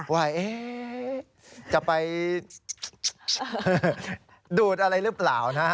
ว่าจะไปดูดอะไรหรือเปล่านะ